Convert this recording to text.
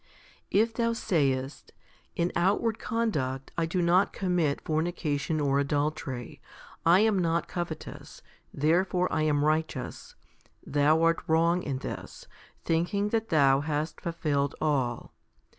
If thou sayest, " In outward con duct, I do not commit fornication or adultery, I am not covetous ; therefore I am righteous," thou art wrong in this, thinking that thou hast fulfilled all.